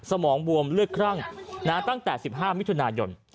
สมองบวมเลือดครั่งตั้งแต่๑๕มิถุนายน